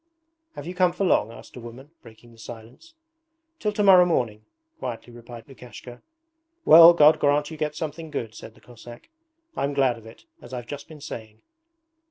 'Have you come for long?' asked a woman, breaking the silence. 'Till to morrow morning,' quietly replied Lukashka. 'Well, God grant you get something good,' said the Cossack; 'I'm glad of it, as I've just been saying.'